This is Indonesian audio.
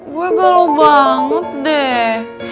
gue galau banget deh